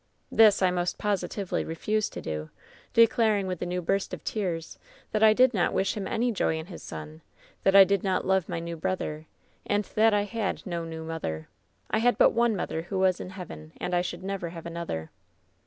"This I most positively refused to do, declaring, with a new burst of tears, that I did not wish him any joy in his son ; that I did not love my new brother, and that I had no new mother. I had but one mother, who waa in heaven, and I should never have another.